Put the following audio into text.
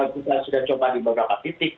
kita sudah coba di beberapa titik